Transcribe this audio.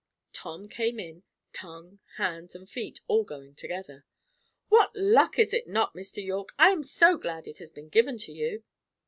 Tom came in, tongue, hands, and feet all going together. "What luck, is it not, Mr. Yorke? I am so glad it has been given to you!"